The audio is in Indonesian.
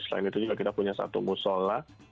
selain itu juga kita punya satu musola